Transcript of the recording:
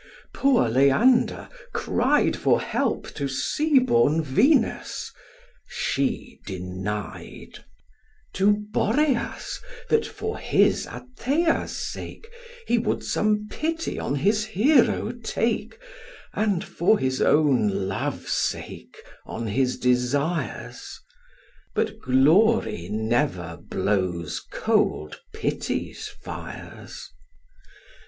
Poor Leander cried For help to sea born Venus she denied; To Boreas, that, for his Atthæa's sake, He would some pity on his Hero take, And for his own love's sake, on his desires; But Glory never blows cold Pity's fires.